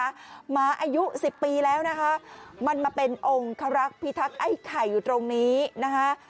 หมาอายุสิบปีแล้วนะคะมันมาเป็นองคารักษ์พิทักษ์ไอ้ไข่อยู่ตรงนี้นะคะ